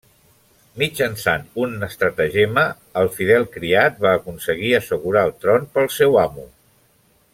Mitjançant un estratagema el fidel criat va aconseguir assegurar el tron pel seu amo.